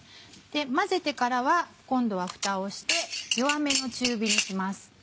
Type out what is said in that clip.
混ぜてからは今度はふたをして弱めの中火にします。